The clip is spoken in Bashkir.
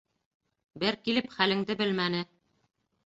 Бер килеп хәлеңде белмәне!